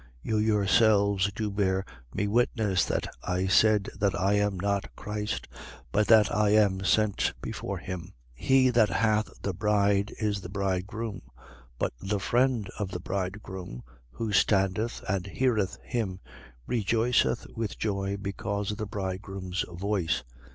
3:28. You yourselves do bear me witness that I said that I am not Christ, but that I am sent before him. 3:29. He that hath the bride is the bridegroom: but the friend of the bridegroom, who standeth and heareth Him, rejoiceth with joy because of the bridegroom's voice.